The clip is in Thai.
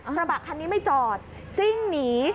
กระบะคันนี้ไม่จอดซิ่งหนี